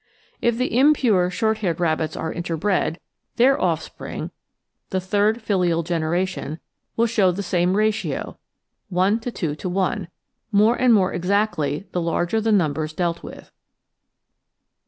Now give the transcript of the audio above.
If the impure short haired rabbits are interbred, their offspring (the third filial generation) will show the same ratio, 1:2:1, more and more exactly the larger the numbers dealt with.